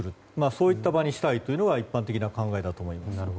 そういった場にしたいというのが一般的な考えだと思います。